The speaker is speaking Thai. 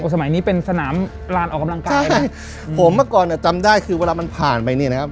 สมัยนี้เป็นสนามลานออกกำลังกายนะผมเมื่อก่อนอ่ะจำได้คือเวลามันผ่านไปเนี่ยนะครับ